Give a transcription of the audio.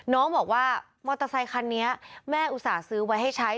น้องบอกว่ามอเตอร์ไซคันนี้แม่อุตส่าห์ซื้อไว้ให้ใช้